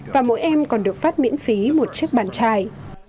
và mỗi em còn được phát miễn phí một chiếc bàn chai